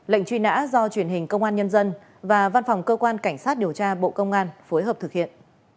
lệnh truy nã do truyền hình công an nhân dân và văn phòng cơ quan cảnh sát điều tra bộ công an phối hợp thực hiện